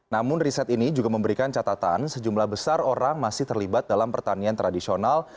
namun riset ini juga memberikan catatan sejumlah besar orang masih terlibat dalam pertanian tradisional